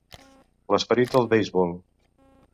L'esperit del beisbol.